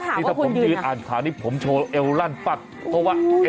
ถ้าถามว่าคุณยืนอ่านข่าวนี้ผมชวนแรงกับรันปั๊ต